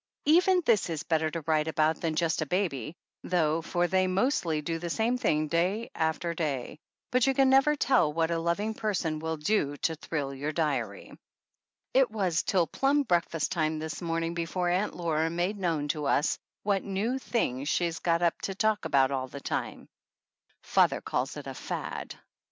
Even this is better to write about than just a baby, though, for they mostly do the same thing day after day ; but you can never tell what a loving person will do to thrill your diary. It was till plumb breakfast time this morning before Aunt Laura made known to us what new 58 THE ANNALS OF ANN thing she's got up to talk about all the time. Father calls it a "fad."